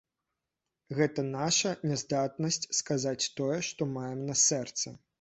Гэта наша няздатнасць сказаць тое, што маем на сэрцы.